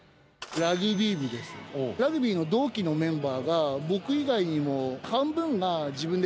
ラグビー同期のメンバーが僕以外にも。